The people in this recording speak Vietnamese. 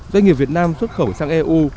doanh nghiệp việt nam xuất khẩu sang eu